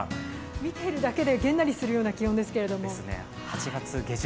見ているだけでげんなりするような気温ですね。